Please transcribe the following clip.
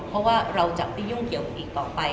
เพราะว่าเราจะไม่ยุ่งเกี่ยวอีกต่อไป